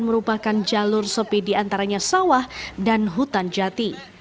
merupakan jalur sepi di antaranya sawah dan hutan jati